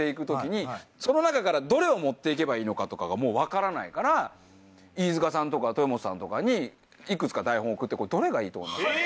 その中からどれを持って行けばいいのかとかがもう分からないから飯塚さんとか豊本さんとかにいくつか台本送ってこれどれがいいと思います？